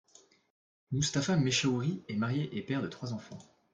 Mustapha Mechahouri est marié et père de trois enfants.